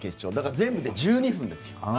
全部で１２分です。